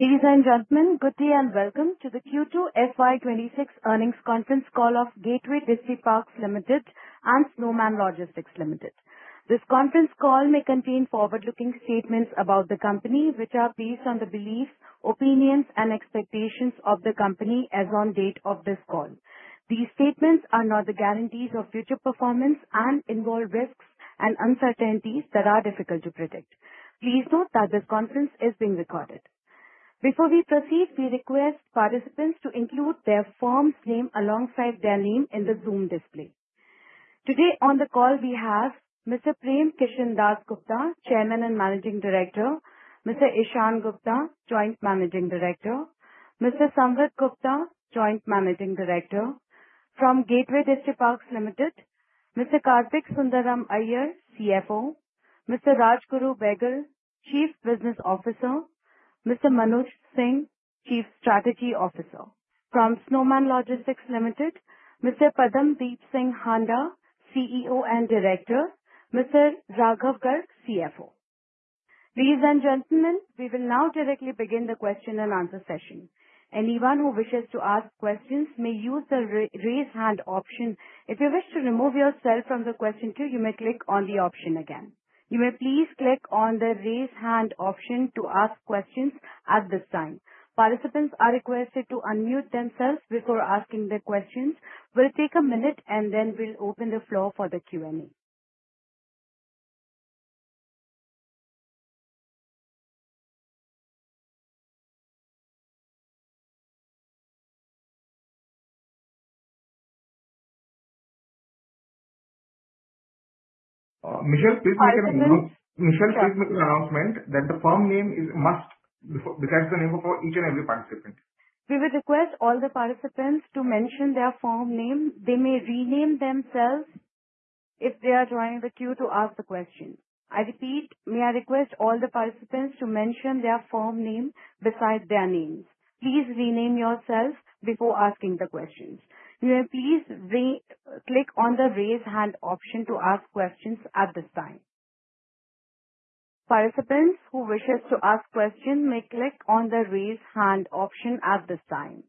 Ladies and gentlemen, good day and welcome to the Q2 FY26 earnings conference call of Gateway Distriparks Limited and Snowman Logistics Limited. This conference call may contain forward-looking statements about the company, which are based on the beliefs, opinions, and expectations of the company as of the date of this call. These statements are not the guarantees of future performance and involve risks and uncertainties that are difficult to predict. Please note that this conference is being recorded. Before we proceed, we request participants to include their firm's name alongside their name in the Zoom display. Today on the call, we have Mr. Prem Kishan Dass Gupta, Chairman and Managing Director, Mr. Ishaan Gupta, Joint Managing Director, Mr. Samvid Gupta, Joint Managing Director from Gateway Distriparks Limited, Mr. Karthik Sundar Iyer, CFO, Mr. Rajguru Behgal, Chief Business Officer, Mr. Manoj Singh, Chief Strategy Officer. From Snowman Logistics Limited, Mr. Padamdeep Singh Handa, CEO and Director. Mr. Raghav Garg, CFO. Ladies and gentlemen, we will now directly begin the question and answer session. Anyone who wishes to ask questions may use the raise hand option. If you wish to remove yourself from the question queue, you may click on the option again. You may please click on the raise hand option to ask questions at this time. Participants are requested to unmute themselves before asking their questions. We'll take a minute, and then we'll open the floor for the Q&A. Michelle, please make an announcement. Then the firm name must be beside the name of each and every participant. We will request all the participants to mention their firm name. They may rename themselves if they are joining the queue to ask the question. I repeat, may I request all the participants to mention their firm name besides their names? Please rename yourself before asking the questions. You may please click on the raise hand option to ask questions at this time. Participants who wish to ask questions may click on the raise hand option at this time.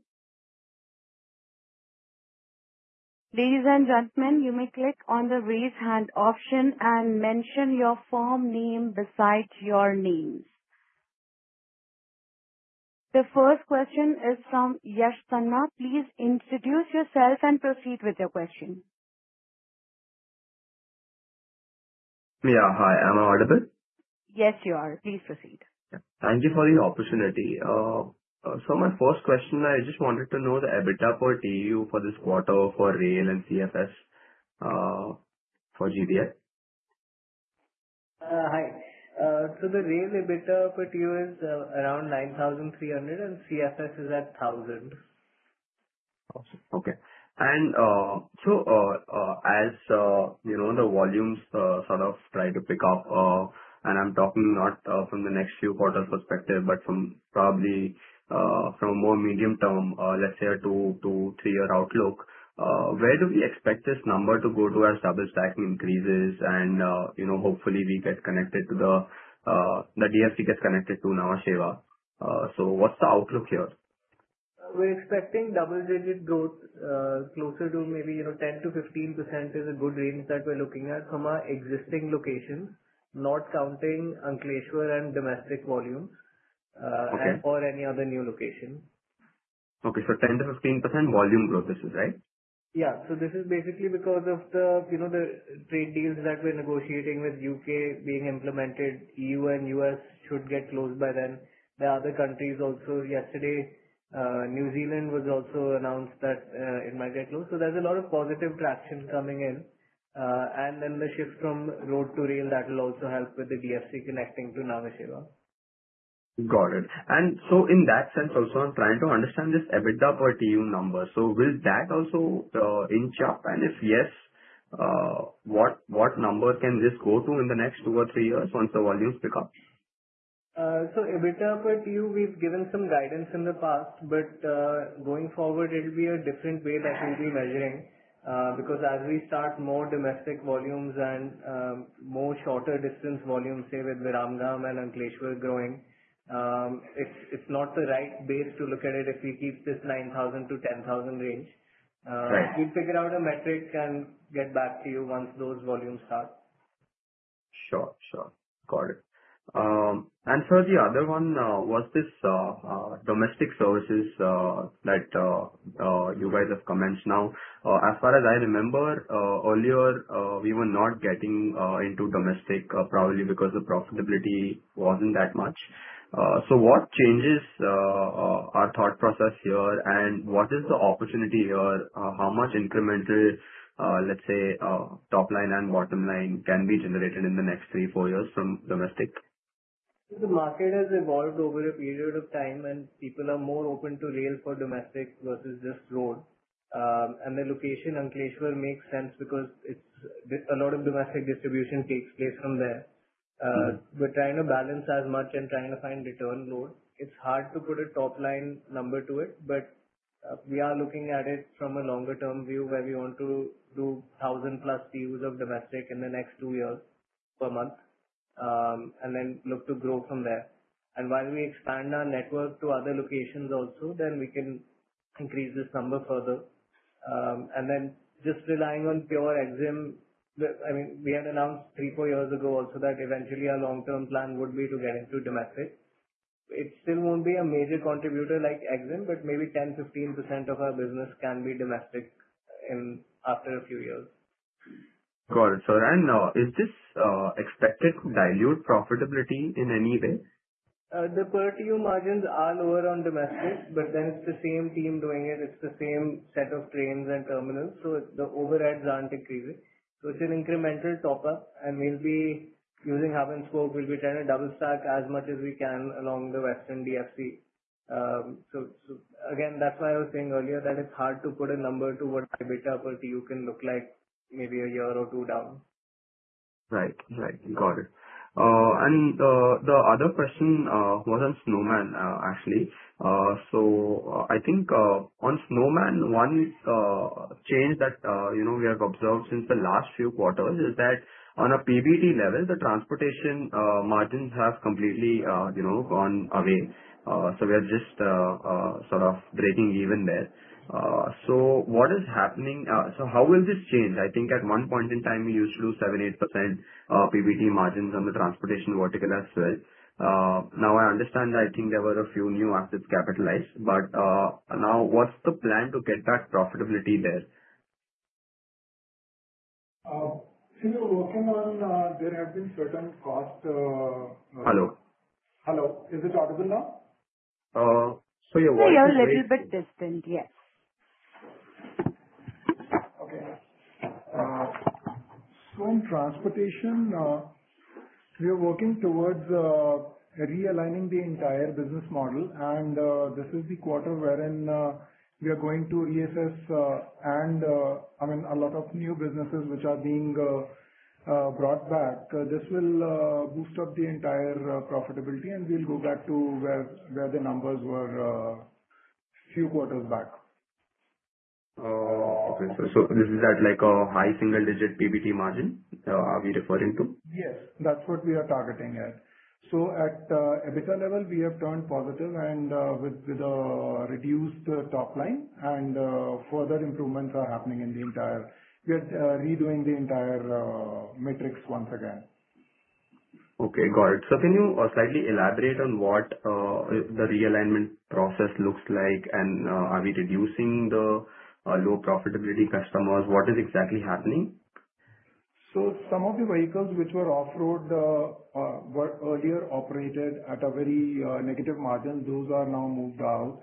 Ladies and gentlemen, you may click on the raise hand option and mention your firm name besides your names. The first question is from Yash Tanna. Please introduce yourself and proceed with your question. Yeah, hi. Am I audible? Yes, you are. Please proceed. Thank you for the opportunity. So my first question, I just wanted to know the EBITDA per TEU for this quarter for rail and CFS for GDL? Hi. So the rail EBITDA per TEU is around 9,300, and CFS is at 1,000. Awesome. Okay. And so as the volumes sort of try to pick up, and I'm talking not from the next few quarters' perspective, but from probably a more medium term, let's say a two, three-year outlook, where do we expect this number to go to as double-stacking increases? And hopefully, we get connected to the DFC gets connected to Nhava Sheva. So what's the outlook here? We're expecting double-digit growth closer to maybe 10%-15% is a good range that we're looking at from our existing locations, not counting Ankleshwar and domestic volumes or any other new location. Okay. So 10%-15% volume growth, this is, right? Yeah. So this is basically because of the trade deals that we're negotiating with the U.K. being implemented. E.U. and U.S. should get closed by then. The other countries also, yesterday, New Zealand was also announced that it might get closed. So there's a lot of positive traction coming in. And then the shift from road to rail, that will also help with the DFC connecting to Nhava Sheva. Got it. And so in that sense, also, I'm trying to understand this EBITDA per TEU number. So will that also inch up? And if yes, what number can this go to in the next two or three years once the volumes pick up? EBITDA per TEU, we've given some guidance in the past, but going forward, it'll be a different way that we'll be measuring because as we start more domestic volumes and more shorter distance volumes, say with Viramgam and Ankleshwar growing, it's not the right base to look at it if we keep this 9,000 to 10,000 range. We'll figure out a metric and get back to you once those volumes start. Sure. Sure. Got it. And for the other one, was this domestic services that you guys have commenced now? As far as I remember, earlier, we were not getting into domestic probably because the profitability wasn't that much. So what changes our thought process here, and what is the opportunity here? How much incremental, let's say, top line and bottom line can be generated in the next three, four years from domestic? The market has evolved over a period of time, and people are more open to rail for domestic versus just road. And the location Ankleshwar makes sense because a lot of domestic distribution takes place from there. We're trying to balance as much and trying to find return load. It's hard to put a top line number to it, but we are looking at it from a longer-term view where we want to do 1,000+ TEU of domestic in the next two years per month and then look to grow from there. And while we expand our network to other locations also, then we can increase this number further. And then just relying on pure Exim I mean, we had announced three, four years ago also that eventually our long-term plan would be to get into domestic. It still won't be a major contributor like Exim, but maybe 10%-15% of our business can be domestic after a few years. Got it. And is this expected to dilute profitability in any way? The per TEU margins are lower on domestic, but then it's the same team doing it. It's the same set of trains and terminals. So the overheads aren't increasing. So it's an incremental top-up, and we'll be using Hub and Spoke. We'll be trying to double-stack as much as we can along the Western DFC. So again, that's why I was saying earlier that it's hard to put a number to what EBITDA per TEU can look like maybe a year or two down. Right. Right. Got it. And the other question was on Snowman, actually. So I think on Snowman, one change that we have observed since the last few quarters is that on a PBT level, the transportation margins have completely gone away. So we are just sort of breaking even there. So what is happening? So how will this change? I think at one point in time, we used to lose 7%-8% PBT margins on the transportation vertical as well. Now I understand that I think there were a few new assets capitalized, but now what's the plan to get back profitability there? See, we're working on there have been certain costs. Hello? Hello. Is it audible now? So you're working on. Yeah, you're a little bit distant. Yes. Okay. So in transportation, we are working towards realigning the entire business model, and this is the quarter wherein we are going to reassess and, I mean, a lot of new businesses which are being brought back. This will boost up the entire profitability, and we'll go back to where the numbers were a few quarters back. Okay. So this is at a high single-digit PBT margin? Are we referring to? Yes. That's what we are targeting at. So at EBITDA level, we have turned positive and with a reduced top line, and further improvements are happening in the entire. We are redoing the entire metrics once again. Okay. Got it. So can you slightly elaborate on what the realignment process looks like? And are we reducing the low profitability customers? What is exactly happening? Some of the vehicles which were off-road earlier operated at a very negative margin. Those are now moved out,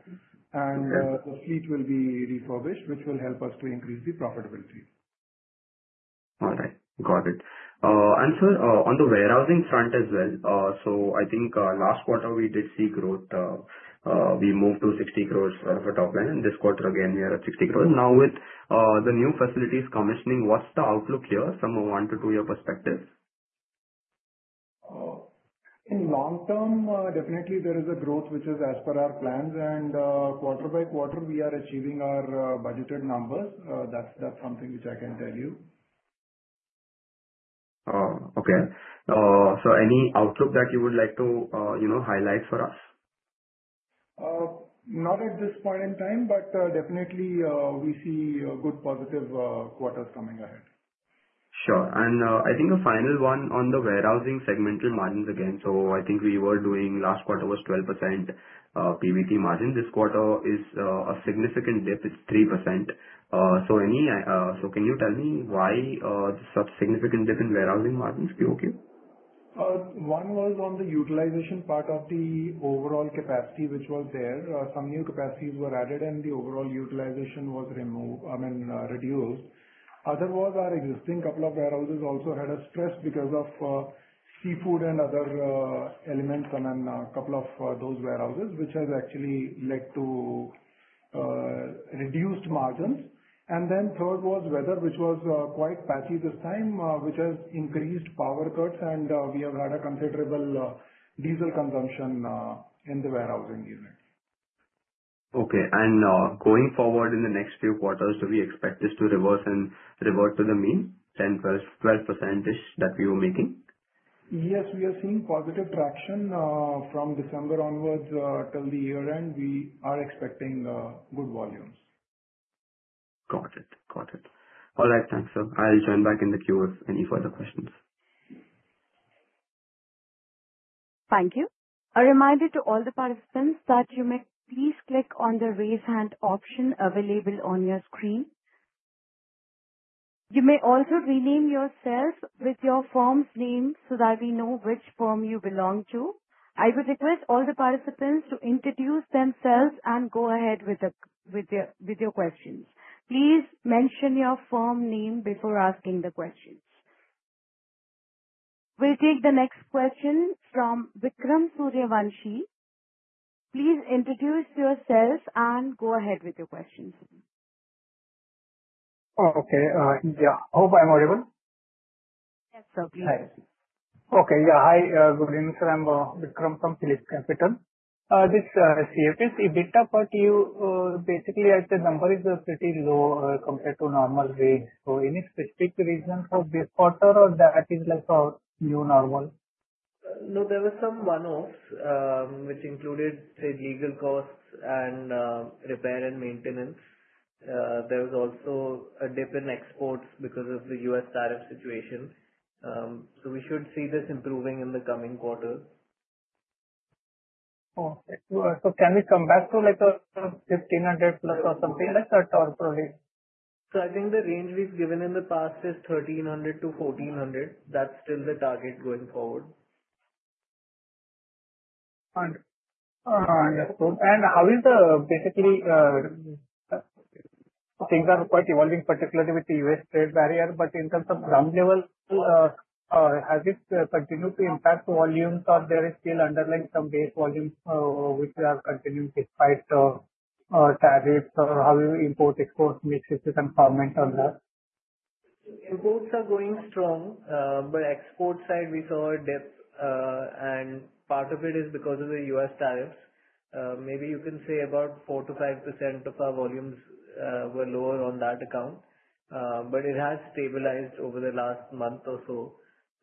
and the fleet will be refurbished, which will help us to increase the profitability. All right. Got it. And so on the warehousing front as well, so I think last quarter we did see growth. We moved to 60 crore out of a top line. And this quarter, again, we are at 60 crore. Now with the new facilities commissioning, what is the outlook here from a one-to-two-year perspective? In long term, definitely there is a growth which is as per our plans, and quarter by quarter, we are achieving our budgeted numbers. That's something which I can tell you. Okay. So any outlook that you would like to highlight for us? Not at this point in time, but definitely we see good positive quarters coming ahead. Sure. And I think a final one on the warehousing segmental margins again. So I think we were doing last quarter was 12% PBT margin. This quarter is a significant dip. It's 3%. So can you tell me why such a significant dip in warehousing margins? One was on the utilization part of the overall capacity which was there. Some new capacities were added, and the overall utilization was reduced. Other was our existing couple of warehouses also had a stress because of seafood and other elements in a couple of those warehouses, which has actually led to reduced margins, and then third was weather, which was quite patchy this time, which has increased power cuts, and we have had a considerable diesel consumption in the warehousing unit. Okay. And going forward in the next few quarters, do we expect this to reverse and revert to the mean 10%-12%-ish that we were making? Yes. We are seeing positive traction from December onwards till the year end. We are expecting good volumes. Got it. Got it. All right. Thanks, sir. I'll join back in the queue with any further questions. Thank you. A reminder to all the participants that you may please click on the raise hand option available on your screen. You may also rename yourself with your firm's name so that we know which firm you belong to. I would request all the participants to introduce themselves and go ahead with your questions. Please mention your firm name before asking the questions. We'll take the next question from Vikram Suryavanshi. Please introduce yourself and go ahead with your questions. Okay. Yeah. Hope I'm audible? Yes, sir. Please. Okay. Yeah. Hi. Good evening, sir. I'm Vikram from PhillipCapital. This CFS EBITDA per TEU, basically, I'd say the number is pretty low compared to normal range. So any specific reason for this quarter, or that is like a new normal? No, there were some one-offs which included, say, legal costs and repair and maintenance. There was also a dip in exports because of the U.S. tariff situation. So we should see this improving in the coming quarter. Okay. So can we come back to like a 1,500+ or something like that or probably? So I think the range we've given in the past is 1,300-1,400. That's still the target going forward. How is the basically things are quite evolving, particularly with the U.S. trade barrier? But in terms of demand level, has it continued to impact volumes, or there is still underlying some base volumes which are continued despite tariffs? Or how do you import-export mix if you can comment on that? Imports are going strong, but export side, we saw a dip, and part of it is because of the U.S. tariffs. Maybe you can say about 4%-5% of our volumes were lower on that account, but it has stabilized over the last month or so,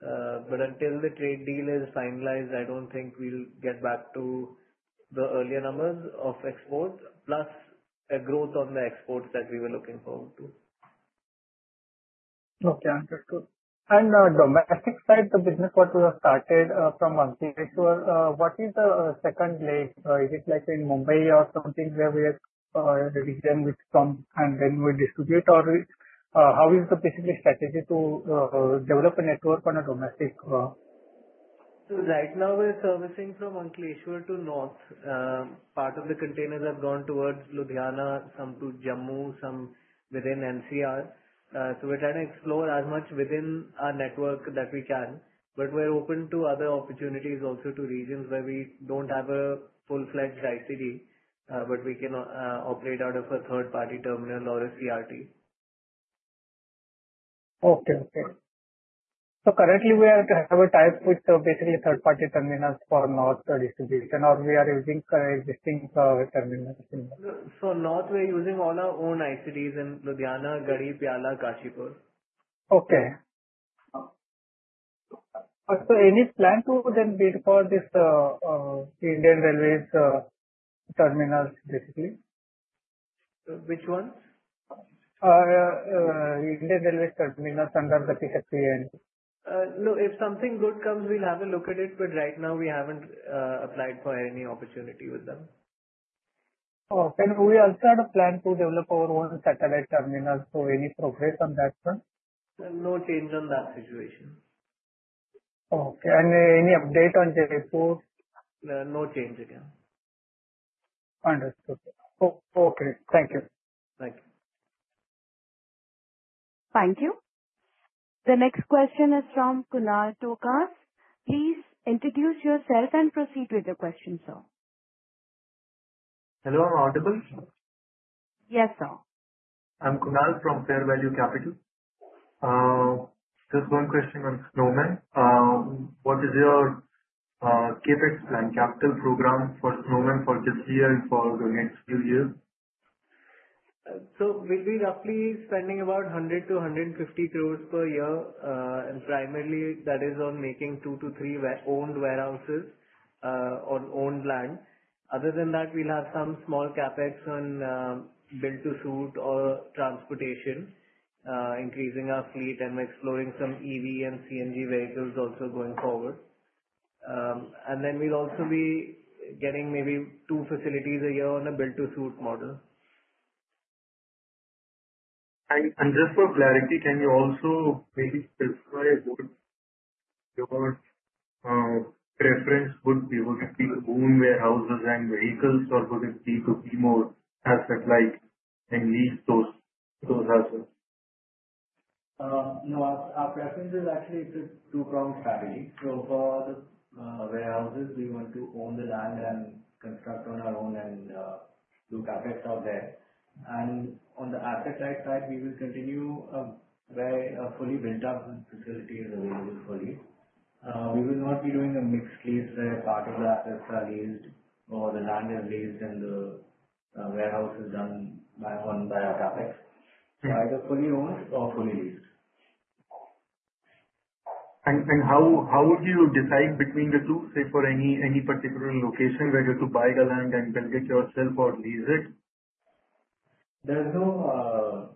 but until the trade deal is finalized, I don't think we'll get back to the earlier numbers of exports plus a growth on the exports that we were looking forward to. Okay. Understood. And domestic side, the business quarters have started from Ankleshwar. What is the second leg? Is it like in Mumbai or something where we have a region which comes and then we distribute? Or how is the basically strategy to develop a network on a domestic? So right now, we're servicing from Ankleshwar to north. Part of the containers have gone towards Ludhiana, some to Jammu, some within NCR. So we're trying to explore as much within our network that we can. But we're open to other opportunities also to regions where we don't have a full-fledged ICD, but we can operate out of a third-party terminal or a CRT. Currently, we are kind of a tie-up with basically third-party terminals for north distribution, or we are using existing terminals? So, north, we're using all our own ICDs in Ludhiana, Garhi, Piyala, Kashipur. Okay. So any plan to then build for this Indian Railways terminals, basically? Which ones? Indian Railways terminals under the Gati Shakti. No, if something good comes, we'll have a look at it. But right now, we haven't applied for any opportunity with them. Okay. We also had a plan to develop our own satellite terminals. So any progress on that front? No change on that situation. Okay. And any update on Jaipur? No change again. Understood. Okay. Thank you. Thank you. Thank you. The next question is from Kunal Tokas. Please introduce yourself and proceed with the question, sir. Hello. I'm audible? Yes, sir. I'm Kunal from Fair Value Capital. Just one question on Snowman. What is your CapEx plan, capital program for Snowman for this year and for the next few years? So we'll be roughly spending about 100-150 crores per year. And primarily, that is on making two to three owned warehouses on owned land. Other than that, we'll have some small CapEx on build-to-suit or transportation, increasing our fleet, and we're exploring some EV and CNG vehicles also going forward. And then we'll also be getting maybe two facilities a year on a build-to-suit model. Just for clarity, can you also maybe specify what your preference would be? Would it be to own warehouses and vehicles, or would it be to be more asset-like and lease those assets? No, our preference is actually it's a two-pronged strategy. So for the warehouses, we want to own the land and construct on our own and do CapEx out there. And on the asset-like side, we will continue where a fully built-up facility is available for lease. We will not be doing a mixed lease where part of the assets are leased or the land is leased and the warehouse is done by our CapEx. So either fully owned or fully leased. How would you decide between the two, say, for any particular location whether to buy the land and build it yourself or lease it? There's no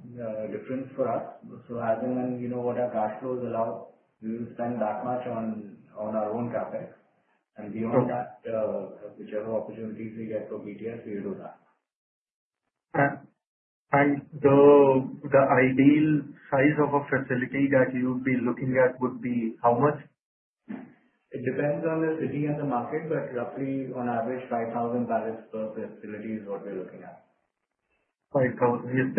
difference for us. So as and when we know what our cash flow is allowed, we will spend that much on our own CapEx. And beyond that, whichever opportunities we get for BTS, we'll do that. The ideal size of a facility that you would be looking at would be how much? It depends on the city and the market, but roughly on average, 5,000 barrels per facility is what we're looking at. 5,000. Is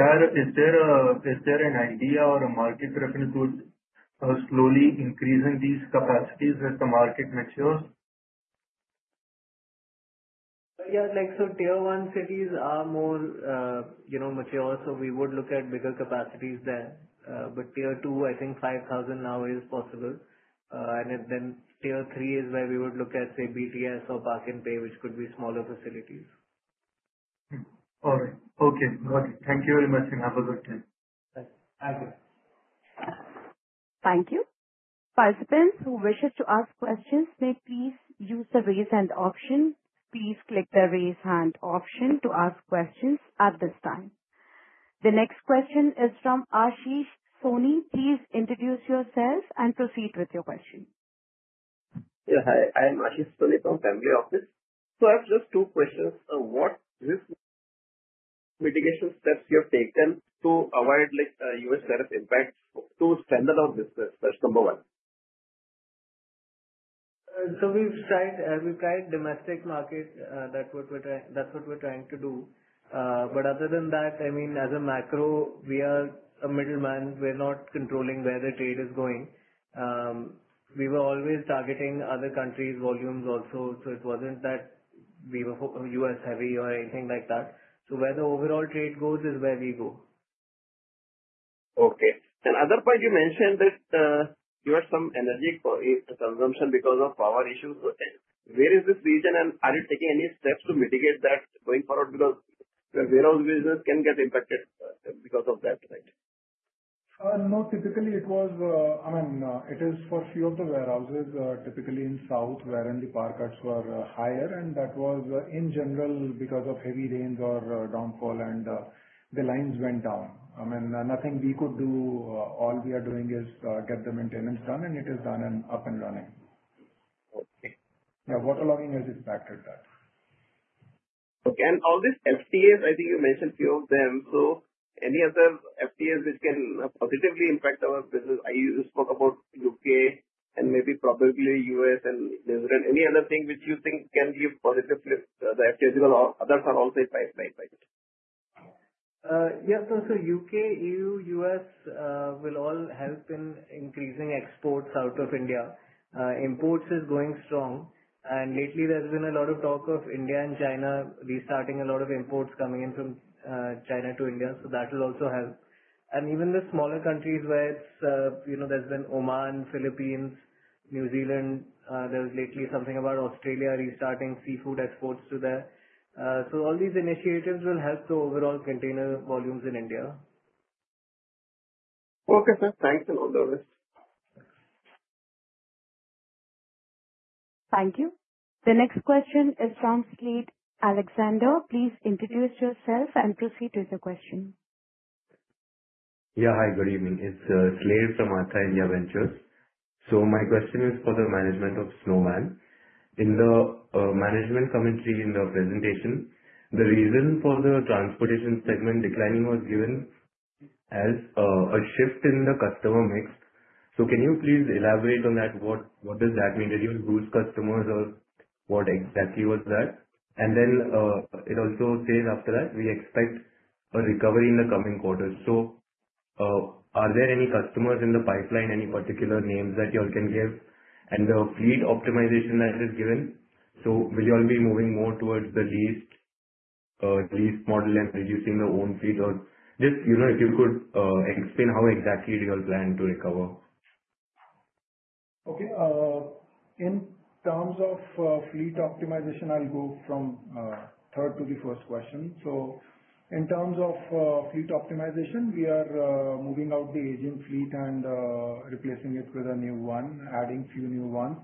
there an idea or a market reference with slowly increasing these capacities as the market matures? Yeah. So Tier 1 cities are more mature, so we would look at bigger capacities there. But Tier 2, I think 5,000 now is possible. And then Tier 3 is where we would look at, say, BTS or Park and Pay, which could be smaller facilities. All right. Okay. Got it. Thank you very much, and have a good day. Thank you. Thank you. Participants who wish to ask questions may please use the raise hand option. Please click the raise hand option to ask questions at this time. The next question is from Ashish Soni. Please introduce yourself and proceed with your question. Yeah. Hi. I'm Ashish Soni from Family Office. So I have just two questions. What risk mitigation steps you have taken to avoid U.S. tariff impact to stand alone business? That's number one. So we've tried domestic market. That's what we're trying to do. But other than that, I mean, as a macro, we are a middleman. We're not controlling where the trade is going. We were always targeting other countries' volumes also. So it wasn't that we were U.S.-heavy or anything like that. So where the overall trade goes is where we go. Okay. And other part, you mentioned that you have some energy consumption because of power issues. So where is this region, and are you taking any steps to mitigate that going forward? Because warehouse business can get impacted because of that, right? No. Typically, it was, I mean, it is, for a few of the warehouses, typically in south where the power cuts were higher, and that was in general because of heavy rains or downpour, and the lines went down. I mean, nothing we could do. All we are doing is get the maintenance done, and it is done and up and running. Okay. Yeah. Waterlogging has impacted that. Okay. And all these FTAs, I think you mentioned a few of them. So any other FTAs which can positively impact our business? You spoke about U.K. and maybe probably U.S. and New Zealand. Any other thing which you think can give positive flip to the FTAs because others are also impacted by it? Yeah. So U.K., E.U., U.S. will all help in increasing exports out of India. Imports is going strong. And lately, there's been a lot of talk of India and China restarting a lot of imports coming in from China to India. So that will also help. And even the smaller countries where there's been Oman, Philippines, New Zealand, there was lately something about Australia restarting seafood exports to there. So all these initiatives will help the overall container volumes in India. Okay, sir. Thanks a lot, Directors. Thank you. The next question is from Slade Alexander. Please introduce yourself and proceed with the question. Yeah. Hi. Good evening. It's Slade from Artha India Ventures. So my question is for the management of Snowman. In the management commentary in the presentation, the reason for the transportation segment declining was given as a shift in the customer mix. So can you please elaborate on that? What does that mean? Did you lose customers, or what exactly was that? And then it also says after that, we expect a recovery in the coming quarters. So are there any customers in the pipeline, any particular names that you all can give? And the fleet optimization that is given, so will you all be moving more towards the leased model and reducing the own fleet? Or just if you could explain how exactly do you all plan to recover? Okay. In terms of fleet optimization, I'll go from third to the first question. So in terms of fleet optimization, we are moving out the agent fleet and replacing it with a new one, adding a few new ones.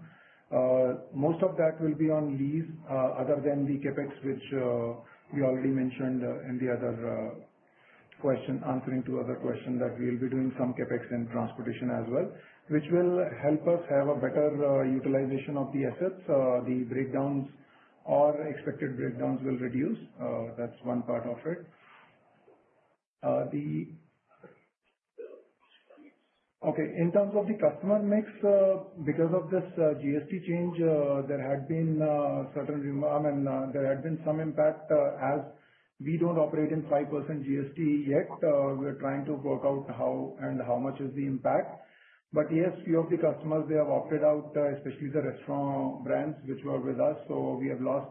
Most of that will be on lease, other than the CapEx, which we already mentioned in the other question, answering to other question that we'll be doing some CapEx and transportation as well, which will help us have a better utilization of the assets. The breakdowns or expected breakdowns will reduce. That's one part of it. Okay. In terms of the customer mix, because of this GST change, there had been certain I mean, there had been some impact as we don't operate in 5% GST yet. We're trying to work out how and how much is the impact. But yes, a few of the customers, they have opted out, especially the restaurant brands which were with us. So we have lost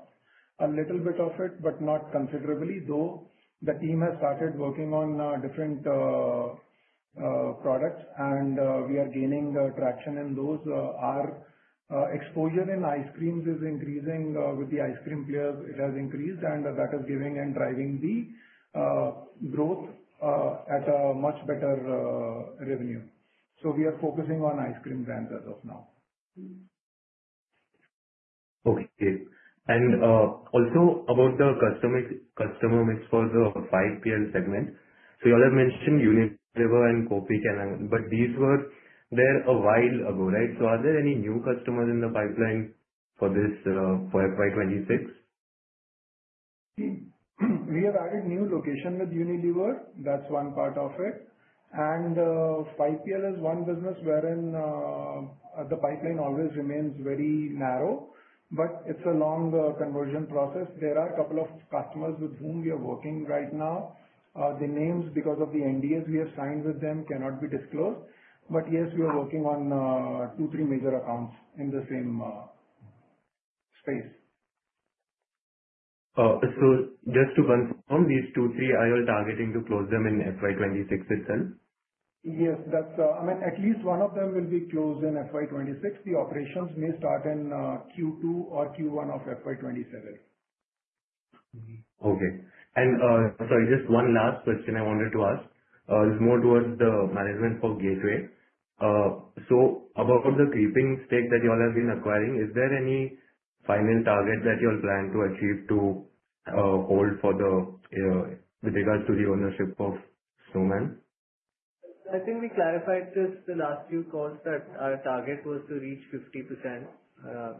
a little bit of it, but not considerably. Though the team has started working on different products, and we are gaining traction in those. Our exposure in ice creams is increasing. With the ice cream players, it has increased, and that is giving and driving the growth at a much better revenue. So we are focusing on ice cream brands as of now. Okay, and also about the customer mix for the 5PL segment, so you all have mentioned Unilever and Kopi Kenangan, but these were there a while ago, right? So are there any new customers in the pipeline for this for FY26? We have added new location with Unilever. That's one part of it. And 5PL is one business wherein the pipeline always remains very narrow, but it's a long conversion process. There are a couple of customers with whom we are working right now. The names, because of the NDAs we have signed with them, cannot be disclosed, but yes, we are working on two, three major accounts in the same space. So just to confirm, these two, three, are you all targeting to close them in FY26 itself? Yes. I mean, at least one of them will be closed in FY26. The operations may start in Q2 or Q1 of FY27. Okay. And sorry, just one last question I wanted to ask. It's more towards the management for Gateway. So about the creeping stake that you all have been acquiring, is there any final target that you all plan to achieve to hold with regards to the ownership of Snowman? I think we clarified this the last few calls that our target was to reach 50%,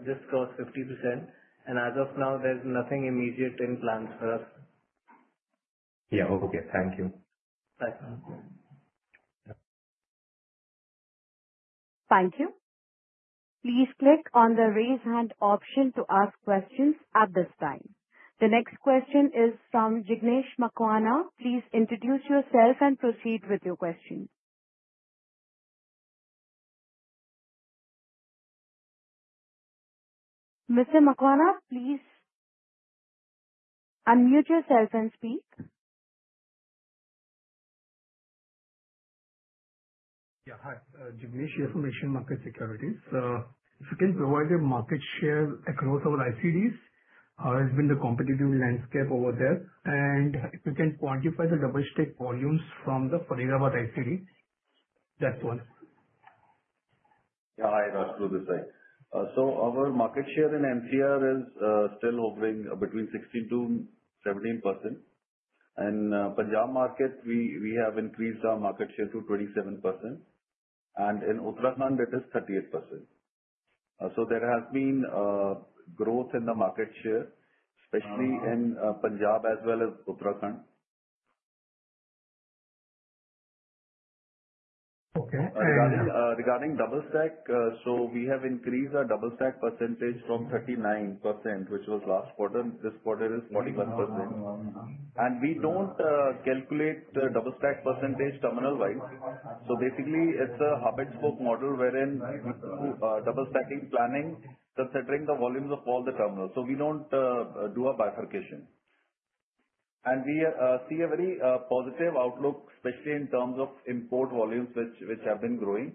risk cost 50%. And as of now, there's nothing immediate in plans for us. Yeah. Okay. Thank you. Bye. Thank you. Please click on the raise hand option to ask questions at this time. The next question is from Jignesh Makwana. Please introduce yourself and proceed with your question. Mr. Makwana, please unmute yourself and speak. Yeah. Hi. Jignesh here from Asian Market Securities. If you can provide the market share across our ICDs, how has been the competitive landscape over there? And if you can quantify the double-stack volumes from the Faridabad ICD, that's one. Yeah. I have absolutely the same, so our market share in NCR is still hovering between 16%-17%, and Punjab market, we have increased our market share to 27%, and in Uttarakhand, it is 38%, so there has been growth in the market share, especially in Punjab as well as Uttarakhand. Okay. Regarding double-stacking, so we have increased our double-stacking percentage from 39%, which was last quarter. This quarter is 41%. And we don't calculate the double-stacking percentage terminal-wise. So basically, it's a hub-and-spoke model wherein double-stacking planning considering the volumes of all the terminals. So we don't do a bifurcation. And we see a very positive outlook, especially in terms of import volumes, which have been growing.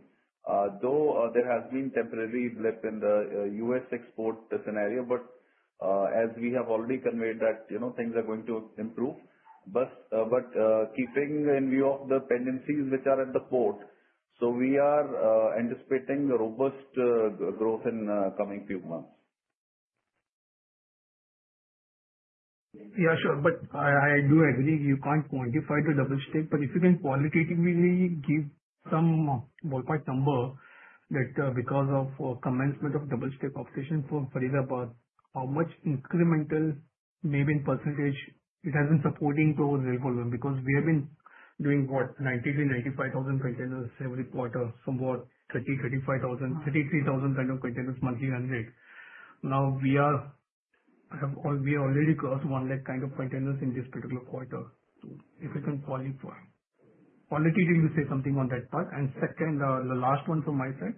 Though there has been a temporary blip in the U.S. export scenario, but as we have already conveyed that things are going to improve. But keeping in view of the pendencies which are at the port, so we are anticipating robust growth in the coming few months. Yeah. Sure. But I do agree you can't quantify the double-stack. But if you can qualitatively give some ballpark number that because of commencement of double-stack operation for Faridabad, how much incremental maybe in percentage it has been supporting those volumes? Because we have been doing what, 90,000-95,000 containers every quarter, somewhere 30,000, 35,000, 33,000 kind of containers monthly and rate. Now we are already crossed 1 lakh kind of containers in this particular quarter. If you can quantify, qualitatively say something on that part. And second, the last one from my side,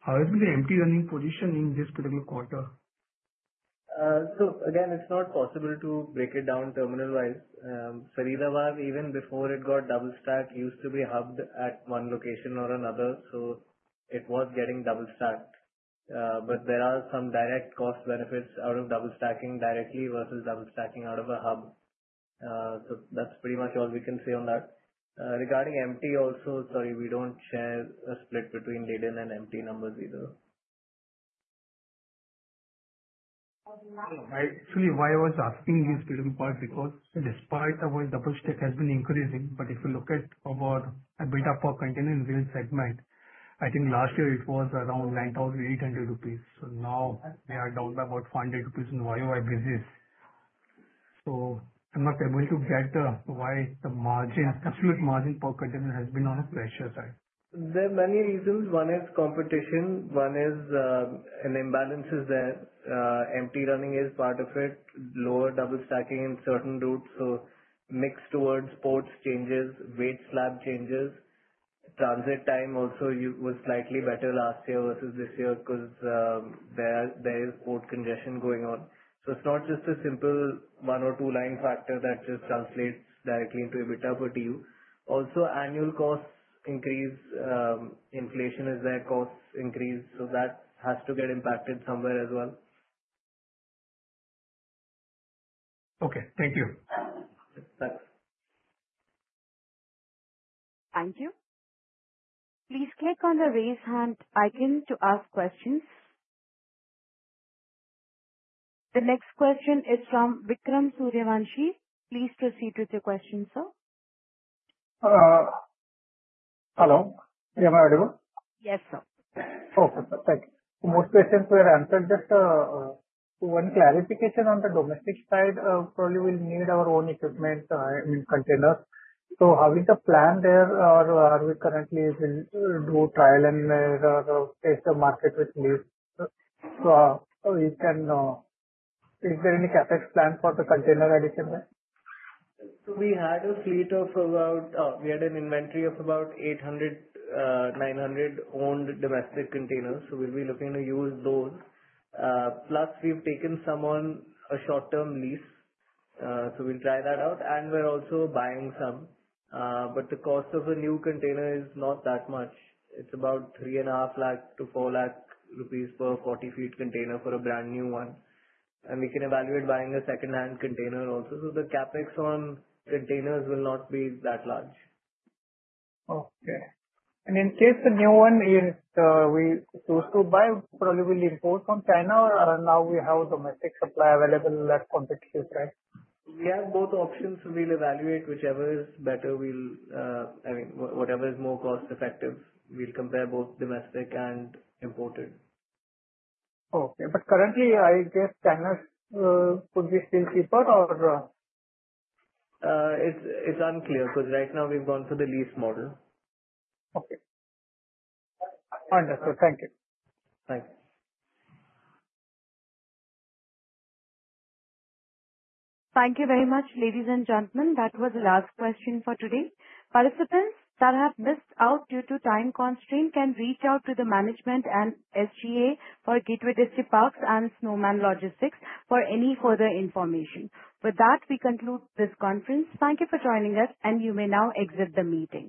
how has been the empty running position in this particular quarter? So again, it's not possible to break it down terminal-wise. Faridabad, even before it got double-stacked, used to be hubbed at one location or another. So it was getting double-stacked. But there are some direct cost benefits out of double-stacking directly versus double-stacking out of a hub. So that's pretty much all we can say on that. Regarding empty also, sorry, we don't share a split between laden and empty numbers either. Actually, why I was asking this little part? Because despite our double-stacking has been increasing, but if you look at our buildup per container in rail segment, I think last year it was around 9,800 rupees. So now we are down by about 500 rupees in YoY basis. So I'm not able to get why the absolute margin per container has been on a pressure side. There are many reasons. One is competition. One is an imbalance is there. Empty running is part of it. Lower double-stacking in certain routes. So mix towards ports changes, weight slab changes. Transit time also was slightly better last year versus this year because there is port congestion going on. So it's not just a simple one or two-line factor that just translates directly into EBITDA per TEU. Also, annual costs increase. Inflation is there. Costs increase. So that has to get impacted somewhere as well. Okay. Thank you. Thanks. Thank you. Please click on the raise hand icon to ask questions. The next question is from Vikram Suryavanshi. Please proceed with your question, sir. Hello. Am I audible? Yes, sir. Okay. Perfect. Most questions were answered. Just one clarification on the domestic side. Probably we'll need our own equipment, I mean, containers, so how is the plan there, or are we currently doing trial and error based on market with lease, so is there any CapEx plan for the container addition there? We had an inventory of about 800-900 owned domestic containers. We'll be looking to use those. Plus, we've taken some on a short-term lease. We'll try that out. We're also buying some. But the cost of a new container is not that much. It's about 3.5 lakh-4 lakh rupees per 40-foot container for a brand new one. We can evaluate buying a second-hand container also. The CapEx on containers will not be that large. Okay. And in case the new one is we choose to buy, probably we'll import from China. Or now we have a domestic supply available at competitive, right? We have both options. We'll evaluate whichever is better. I mean, whatever is more cost-effective. We'll compare both domestic and imported. Okay, but currently, I guess China could be still cheaper, or? It's unclear because right now we've gone for the lease model. Okay. Understood. Thank you. Thanks. Thank you very much, ladies and gentlemen. That was the last question for today. Participants that have missed out due to time constraint can reach out to the management and SGA for Gateway Distriparks and Snowman Logistics for any further information. With that, we conclude this conference. Thank you for joining us, and you may now exit the meeting.